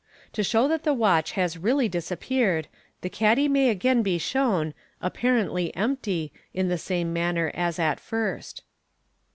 To show that the watch has really disappeared, the caddy may again be shown (apparently) empty, in the same manner as at first.